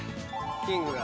キングが。